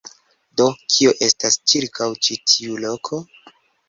Do, kio estas ĉirkaŭ ĉi tiu loko?